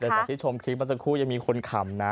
จากที่ชมคลิปมาสักครู่ยังมีคนขำนะ